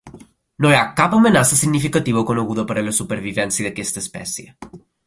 No hi ha cap amenaça significativa coneguda per a la supervivència d'aquesta espècie.